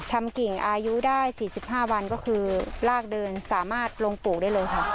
กิ่งอายุได้๔๕วันก็คือลากเดินสามารถลงปู่ได้เลยค่ะ